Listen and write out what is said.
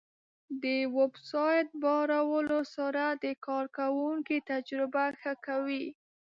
د ویب سایټ بارولو سرعت د کارونکي تجربه ښه کوي.